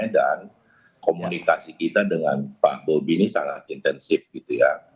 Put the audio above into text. dan komunikasi kita dengan pak bobi ini sangat intensif gitu ya